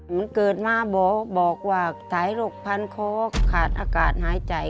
มันเกิดมาบอกว่าถ่ายโรคพันคอขาดอากาศหายใจ